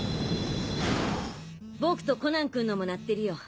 僕とコナン君のも鳴ってるよ。